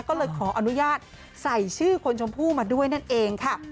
ก็เลยขออนุญาตใส่ชื่อคนชมพู่มาด้วยนั่นเองค่ะ